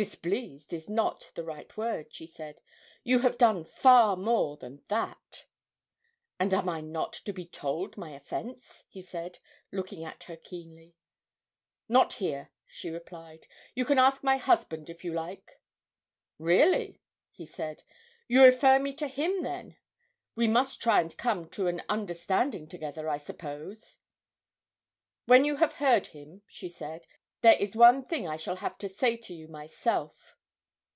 'Displeased is not the right word,' she said: 'you have done far more than that.' 'And am I not to be told my offence?' he said, looking at her keenly. 'Not here,' she replied. 'You can ask my husband, if you like.' 'Really?' he said. 'You refer me to him, then? We must try and come to an understanding together, I suppose.' 'When you have heard him,' she said, 'there is one thing I shall have to say to you myself.'